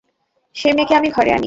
সে-মেয়েকে আমি ঘরে আনি?